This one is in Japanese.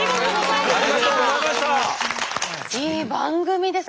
いい番組です。